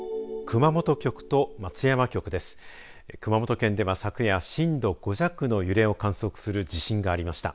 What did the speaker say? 熊本県では昨夜、震度５弱の揺れを観測する地震がありました。